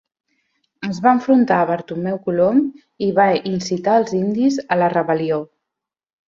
Es va enfrontar a Bartomeu Colom i va incitar als indis a la rebel·lió.